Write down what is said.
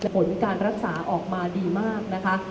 ผลการรักษาออกมาดีมากนะคะ